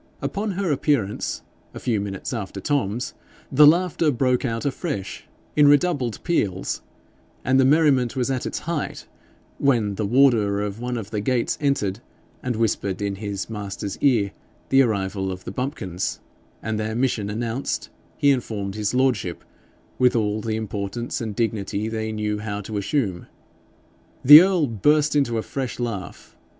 Upon her appearance, a few minutes after Tom's, the laughter broke out afresh, in redoubled peals, and the merriment was at its height, when the warder of one of the gates entered and whispered in his master's ear the arrival of the bumpkins, and their mission announced, he informed his lordship, with all the importance and dignity they knew how to assume. The earl burst into a fresh laugh.